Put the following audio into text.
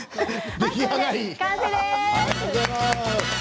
出来上がり。